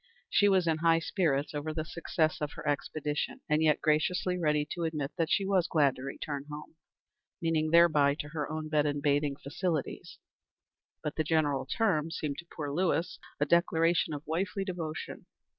She was in high spirits over the success of her expedition, and yet graciously ready to admit that she was glad to return home meaning thereby, to her own bed and bathing facilities; but the general term seemed to poor Lewis a declaration of wifely devotion.